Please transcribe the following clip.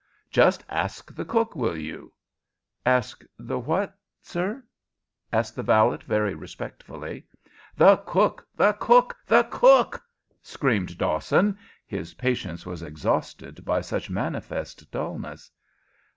Just ask the cook, will you " "Ask the what, sir?" asked the valet, very respectfully. "The cook! the cook! the cook!" screamed Dawson. His patience was exhausted by such manifest dulness.